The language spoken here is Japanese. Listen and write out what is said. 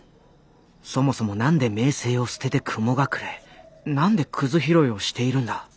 そもそも何で名声を捨てて雲隠れ何でくず拾いをしているんだ。